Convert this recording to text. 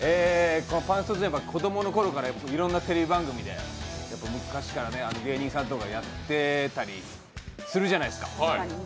子供のころからいろいろなテレビ番組で昔から芸人さんとかやってたりするじゃないですか。